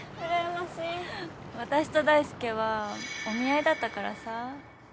私と大介はお見合いだったからさ。